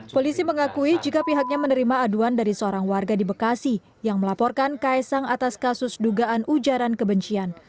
polisi mengakui jika pihaknya menerima aduan dari seorang warga di bekasi yang melaporkan kaisang atas kasus dugaan ujaran kebencian